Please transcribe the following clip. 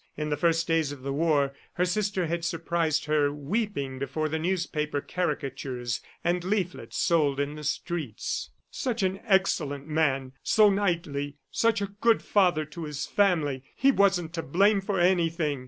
In the first days of the war, her sister had surprised her weeping before the newspaper caricatures and leaflets sold in the streets. "Such an excellent man ... so knightly ... such a good father to his family! He wasn't to blame for anything.